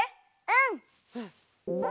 うん！